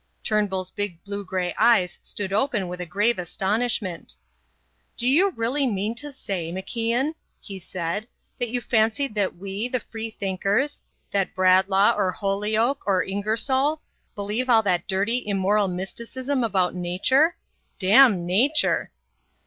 Turnbull's big blue grey eyes stood open with a grave astonishment. "Do you really mean to say, MacIan," he said, "that you fancied that we, the Free thinkers, that Bradlaugh, or Holyoake, or Ingersoll, believe all that dirty, immoral mysticism about Nature? Damn Nature!"